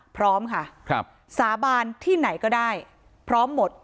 พร้อมค่ะครับสาบานที่ไหนก็ได้พร้อมหมด